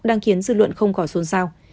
đang khiến dư luận không khỏi xuân sao